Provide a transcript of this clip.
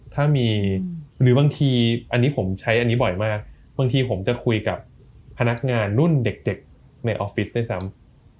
ถ้ามีหรือบางทีอันนี้ผมใช้อันนี้บ่อยมากบางทีผมจะคุยกับพนักงานรุ่นเด็กในออฟฟิศด้วยซ้ำ